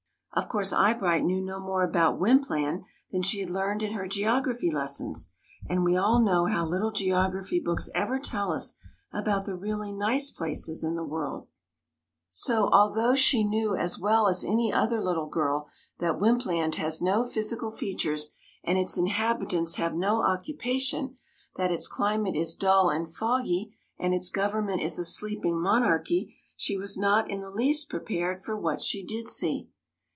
Of course Eyebright knew no more about Wympland than she had learned in her geog raphy lessons, and we all know how little geography books ever tell us about the really nice places in the world. So, although she 42 THE MAGICIAN'S TEA PARTY knew as well as any other little girl that Wympland has no physical features and its inhabitants have no occupation, that its climate is dull and foggy and its government is a sleeping monarchy, she was not in the least prepared for what she did see.